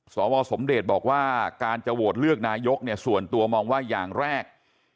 สวสมเดชบอกว่าการจะโหวตเลือกนายกเนี่ยส่วนตัวมองว่าอย่างแรก